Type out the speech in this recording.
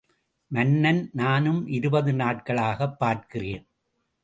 மன்னன் நானும் இருபது நாட்களாகப் பார்க்கிறேன்.